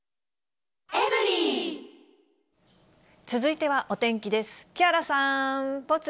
続いてはお天気です。